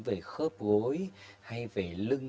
về khớp gối hay về lưng